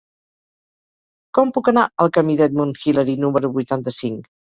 Com puc anar al camí d'Edmund Hillary número vuitanta-cinc?